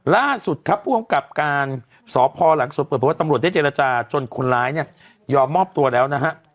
ล่าสุดครับผู้กำกับการสพหลังสวนเปิดเพราะว่าตำรวจได้เจรจาจนคนร้ายเนี่ยยอมมอบตัวแล้วนะฮะ